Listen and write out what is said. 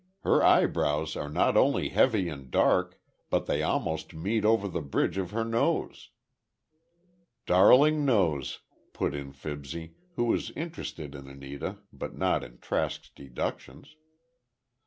Her eyebrows, are not only heavy and dark, but they almost meet over the bridge of her nose." "Darling nose!" put in Fibsy, who was interested in Anita but not in Trask's deductions.